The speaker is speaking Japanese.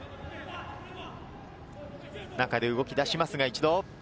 中で動き出しますか、一度。